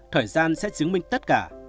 thời gian sẽ chứng minh tất cả